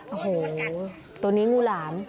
โอ้โหตัวนี้งูหลาม